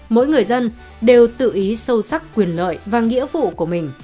mỗi người dân đều tự ý sâu sắc quyền lợi và nghĩa vụ của mình